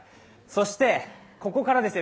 そして、ここからですよ